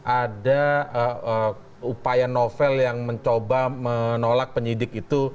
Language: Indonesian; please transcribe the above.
ada upaya novel yang mencoba menolak penyidik itu